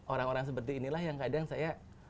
orang orang seperti inilah yang kadang saya